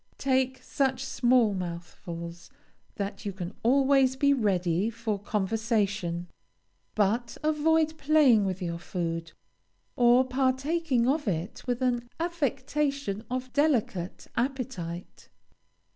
Take such small mouthfulls that you can always be ready for conversation, but avoid playing with your food, or partaking of it with an affectation of delicate appetite.